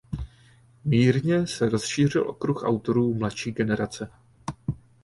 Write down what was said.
Mírně se rozšířil okruh autorů mladší generace.